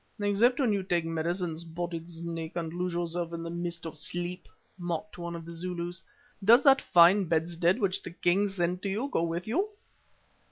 "Except when you take medicine, Spotted Snake, and lose yourself in the mist of sleep," mocked one of the Zulus. "Does that fine bedstead which the king sent you go with you?"